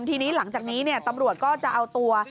ทีนี้หลังจากนี้ตำรวจก็จะเอาตัว